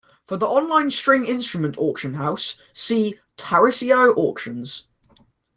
For the online string instrument auction house, see Tarisio Auctions.